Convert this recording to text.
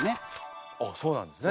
あっそうなんですか。